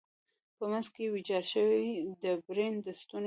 په منځ کې ویجاړ شوی و، ډبرین ستون یې.